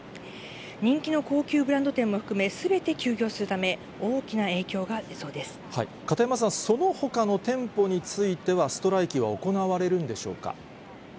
人気の高級ブランド店も含め、すべて休業するため、大きな影響片山さん、そのほかの店舗については、ストライキは行われるんでしょうか？